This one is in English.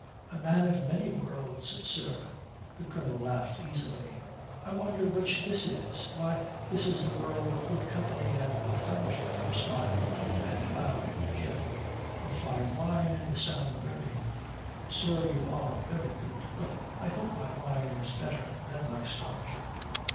"A man of many worlds, sir," the Colonel laughed easily. "I wonder which this is?" "Why, this is the world of good company and good fellowship " he smiled and bowed to Geoffrey "of sound wine and sound learning." "Sir, you are very good. But I hope my wine is better than my scholarship.